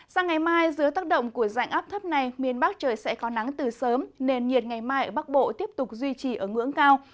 sang ngày mai dưới tác động của dạnh áp thấp này miền bắc trời sẽ có nắng từ sớm nền nhiệt ngày mai ở bắc bộ tiếp tục duy trì ở ngưỡng cao